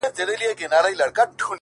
څنگه درد دی! څنگه کيف دی! څنگه راز دی!